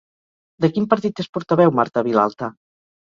De quin partit és portaveu Marta Vilalta?